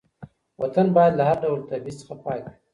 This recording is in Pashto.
وطن باید له هر ډول تبعیض څخه پاک وي.